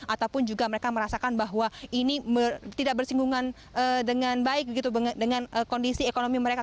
ataupun juga mereka merasakan bahwa ini tidak bersinggungan dengan baik dengan kondisi ekonomi mereka